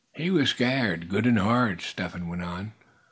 "He was scared, good and hard," Step Hen went on.